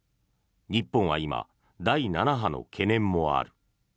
日本は今、第７波の懸念もある。